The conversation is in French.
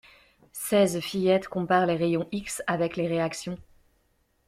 Seize fillettes comparent les rayons X avec les réactions.